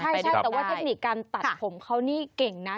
ใช่แต่ว่าเทคนิคการตัดผมเขานี่เก่งนะ